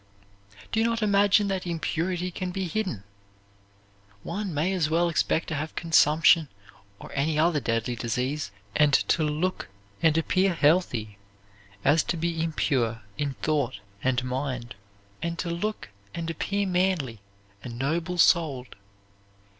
Do not imagine that impurity can be hidden! One may as well expect to have consumption or any other deadly disease, and to look and appear healthy, as to be impure in thought and mind, and to look and appear manly and noble souled.